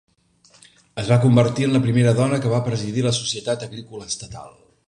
Es va convertir en la primera dona que va presidir la Societat agrícola estatal.